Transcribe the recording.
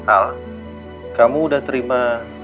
al kamu udah terima